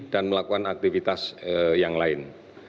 dan melakukan aktivitas yang lain